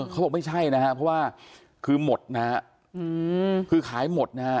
เขาบอกไม่ใช่นะฮะเพราะว่าคือหมดนะฮะคือขายหมดนะฮะ